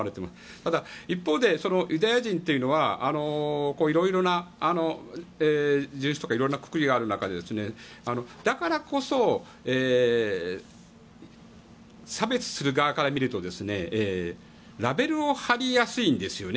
ただ、一方でユダヤ人というのはいろいろな人種とかくくりがある中でだからこそ差別する側から見るとラベルを貼りやすいんですよね。